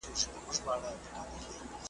دا یې هېر سول چي پردي دي وزرونه .